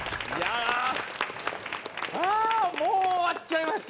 ああもう終わっちゃいました。